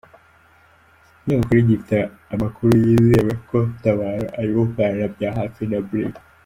Iki kinyamakuru gifite amakuru yizewe ko Tabaro ari gukorana bya hafi na Brig.